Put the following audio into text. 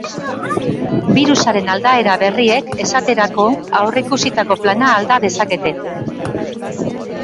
Birusaren aldaera berriek, esaterako, aurreikusitako plana alda dezakete.